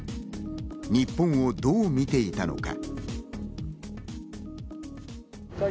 日本をどう見ていたのか。